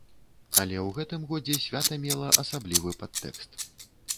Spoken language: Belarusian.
Але ў гэтым годзе свята мела асаблівы падтэкст.